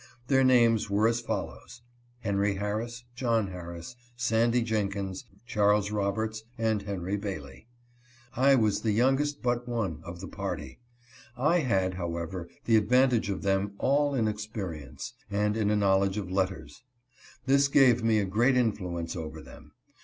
Their names were as follows : Henry Harris, John Harris, Sandy Jenkins, Charles Roberts, and Henry Bailey. I was the youngest but one of the party. I had, however, the advantage of them all in experience, and in a knowledge of letters. This gave me a great influence over them.